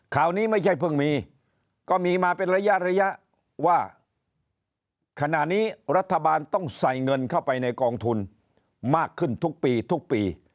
ข่าวนี้ไม่ใช่เพิ่งมีก็มีมาเป็นระยะระยะว่าขณะนี้รัฐบาลต้องใส่เงินเข้าไปในกองทุนมากขึ้นทุกปีทุกปี